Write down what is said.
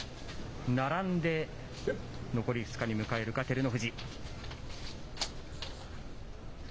並んで、残り２日に向かえるか、照ノ富士。